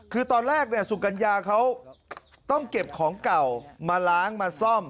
คือตอนแรกสุกัญญาเขาต้องเก็บของเก่ามาล้างมาซ่อม